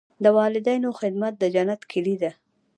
د والدینو خدمت د جنت کلي ده.